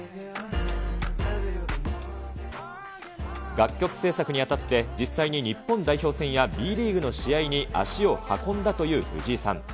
楽曲制作にあたって、実際に日本代表戦やＢリーグの試合に足を運んだという藤井さん。